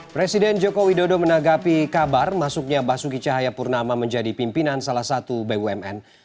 presiden joko widodo menanggapi kabar masuknya basuki cahayapurnama menjadi pimpinan salah satu bumn